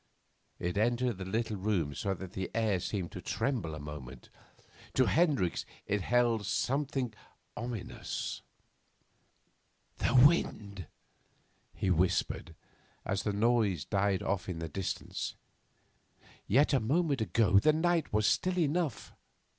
It entered the little room so that the air seemed to tremble a moment. To Hendricks it held something ominous. 'The wind,' he whispered, as the noise died off into the distance; 'yet a moment ago the night was still enough.